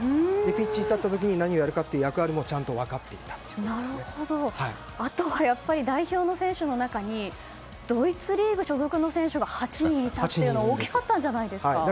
ピッチに立った時に何をやるかという役割もあとはやっぱり代表の選手の中にドイツリーグ所属の選手が８人いたのは大きかったんじゃないですか。